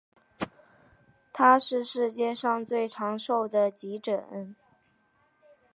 它是世界上最长寿的急诊。